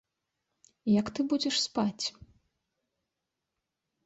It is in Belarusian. Як ты будзеш спаць?